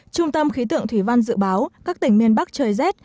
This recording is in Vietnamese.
trung tâm khí tượng thủy văn dự báo các tỉnh miền bắc chơi z